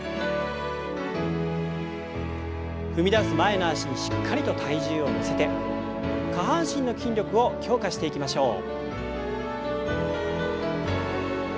踏み出す前の脚にしっかりと体重を乗せて下半身の筋力を強化していきましょう。